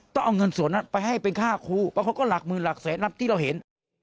ต้องเอาเงินส่วนนั้นไปให้เป็นค่าครูเพราะเขาก็หลักหมื่นหลักแสนนับที่เราเห็น